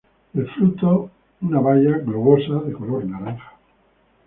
El fruto una baya globosa de color naranja.